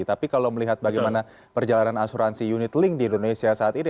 tapi kalau melihat bagaimana perjalanan asuransi unit link di indonesia saat ini